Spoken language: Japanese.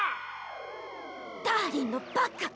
ダーリンのバカ！